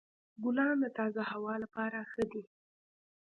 ګلان د تازه هوا لپاره ښه دي.